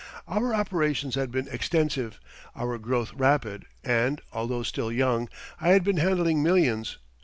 Our operations had been extensive, our growth rapid and, although still young, I had been handling millions.